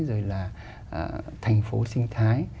rồi là thành phố sinh thái